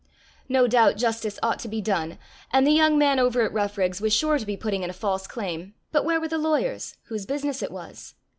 No doubt justice ought to be done, and the young man over at Roughrigs was sure to be putting in a false claim, but where were the lawyers, whose business it was?